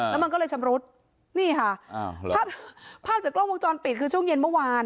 แล้วมันก็เลยชำรุดนี่ค่ะภาพภาพจากกล้องวงจรปิดคือช่วงเย็นเมื่อวาน